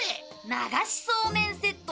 流しそうめんセット。